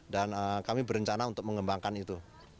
dan kami berencana untuk mengembangkan itu